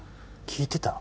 聞いてた？